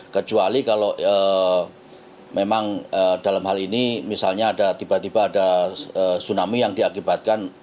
kecuali kalau memang dalam hal ini misalnya ada tiba tiba ada tsunami yang diakibatkan